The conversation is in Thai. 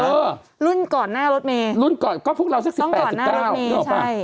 เออรุ่นก่อนหน้ารถเมย์รุ่นก่อนก็พวกเราสิบแปดสิบเก้าต้องก่อนหน้ารถเมย์ใช่